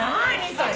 それ。